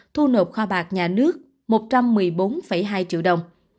thu nộp kho bạc nhà nước một trăm một mươi bốn hai triệu đồng